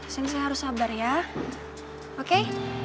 sensei harus sabar ya oke